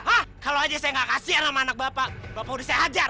oh kalau aja saya gak kasihan sama anak bapak bapak udah saya ajar